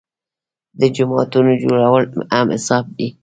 د جوماتونو جوړول هم حساب دي.